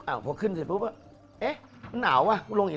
เราลองดีละคนนี่มันทั้งโรงการ